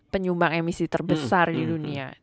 penyumbang emisi terbesar di dunia